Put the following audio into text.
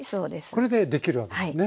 これでできるわけですね。